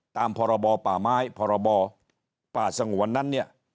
ตามพบป่าไม้พบป่าสงวนนั้น